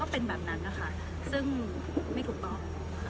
เป็นแบบนั้นนะคะซึ่งไม่ถูกต้อง